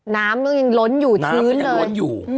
น้ำก็ยังล้นอยู่ชื้นเลย